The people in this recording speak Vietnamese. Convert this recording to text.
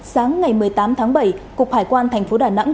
sáng ngày một mươi tám tháng bảy cục hải quan thành phố đà nẵng